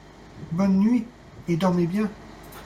Bonne nuit et dormez bien !